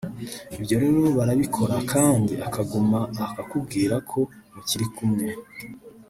Ibyo rero barabikora kandi akaguma akakubwira ko mukiri kumwe